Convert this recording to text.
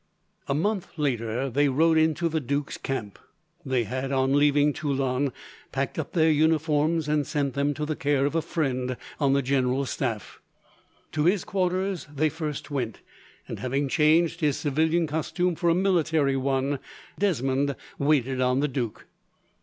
A month later, they rode into the duke's camp. They had, on leaving Toulon, packed up their uniforms and sent them to the care of a friend on the general's staff. To his quarters they first went, and having changed his civilian costume for a military one, Desmond waited on the duke.